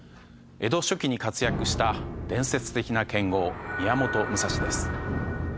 江戸初期に活躍した伝説的な剣豪宮本武蔵です。